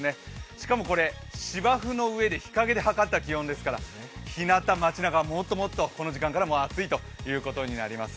しかもこれ、芝生の上で日陰で測った気温ですから、ひなた、街なかはもっともっとこの時間からも暑いということになります。